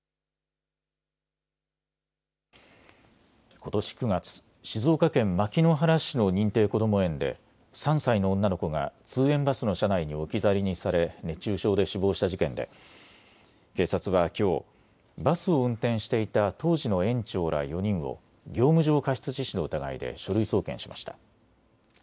ことし９月、静岡県牧之原市の認定こども園３歳の女の子が通園バスの車内に置き去りにされ熱中症で死亡した事件で警察はきょう、バスを運転していた当時の園長ら４人を業務上過失致死の疑いで書類送検しました。